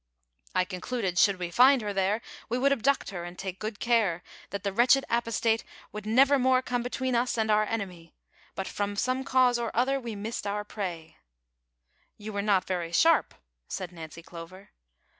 " I concluded, should we find her there, we would abduct her, and take good care that the wretched apostate would never more come between us and our enemy ; but, from some cause or othei', we missed our prey." "You were not very sharp," said Nancy Clover.